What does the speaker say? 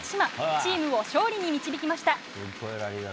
チームを勝利に導きました。